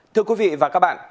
thưa quý vị và các bạn